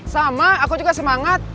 sama aku juga semangat